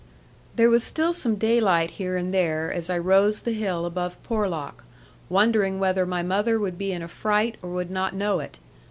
There was still some daylight here and there as I rose the hill above Porlock, wondering whether my mother would be in a fright, or would not know it.